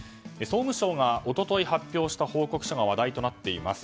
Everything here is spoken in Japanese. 総務省が一昨日発表した報告書が話題となっています。